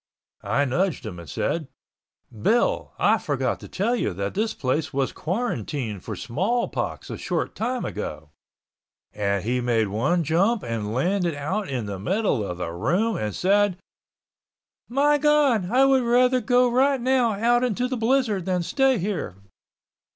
I nudged him and said, "Bill, I forgot to tell you that this place was quarantined for Smallpox a short time ago," and he made one jump and landed out in the middle of the room and said, "My God, I would rather go right out into the blizzard than stay here!"